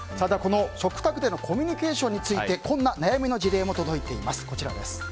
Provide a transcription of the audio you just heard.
食卓でのコミュニケーションについてこんな悩みの事例も届いています。